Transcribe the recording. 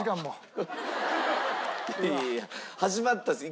いやいや始まったんですよ。